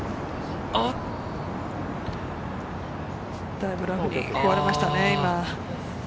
だいぶラフに食われましたね、今。